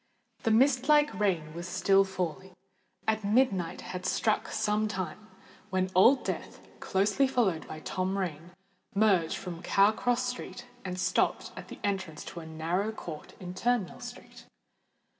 The mist like rain was still falling, and midnight had struck some time, when Old Death, closely followed by Tom Rain, merged from Cow Cross Street, and stopped at the entrance to a narrow court in Turnmill Street.